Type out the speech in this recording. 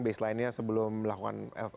baseline nya sebelum melakukan